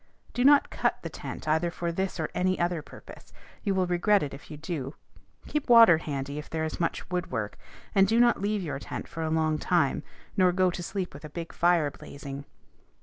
Do not cut the tent either for this or any other purpose: you will regret it if you do. Keep water handy if there is much woodwork; and do not leave your tent for a long time, nor go to sleep with a big fire blazing.